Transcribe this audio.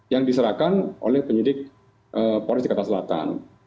yang diserahkan oleh penyidik polres jakarta selatan